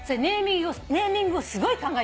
ネーミングをすごい考えた。